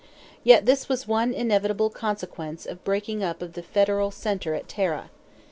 Yet this was one inevitable consequence of the breaking up of the federal centre at Tara.